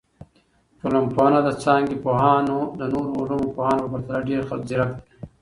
ټولنپوهنه د څانګي پوهان د نورو علومو د پوهانو په پرتله ډیر ځیرک دي.